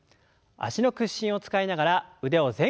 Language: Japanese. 脚の屈伸を使いながら腕を前後に振ります。